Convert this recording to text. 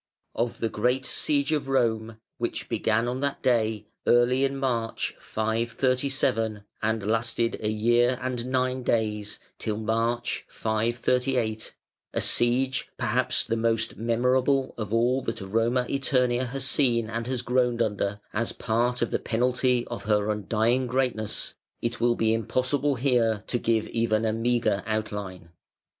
] Of the great Siege of Rome, which began on that day, early in March, 537, and lasted a year and nine days, till March, 538, a siege perhaps the most memorable of all that "Roma Æterna" has seen and has groaned under, as part of the penalty of her undying greatness, it will be impossible here to give even a meagre outline.